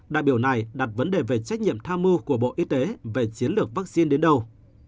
đại biểu này đặt vấn đề về trách nhiệm tham mưu của bộ y tế về chiến lược vaccine đến đâu